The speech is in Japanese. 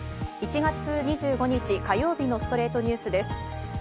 １月２５日、火曜日の『ストレイトニュース』です。